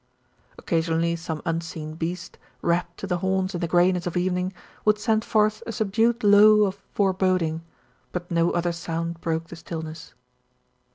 Occasionally some unseen beast, wrapped to the horns in the greyness of evening, would send forth a subdued low of foreboding; but no other sound broke the stillness.